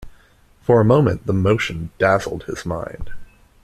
For a moment, the motion dazzled his mind.